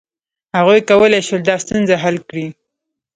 هغوی کولای شول دا ستونزه حل کړي.